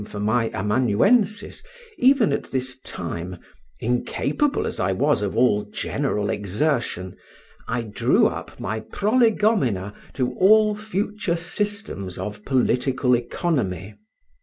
for my amanuensis, even at this time, incapable as I was of all general exertion, I drew up my Prolegomena to all future Systems of Political Economy.